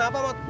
lu kenapa mot